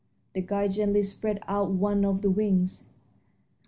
The guide gently spread out one of the wings.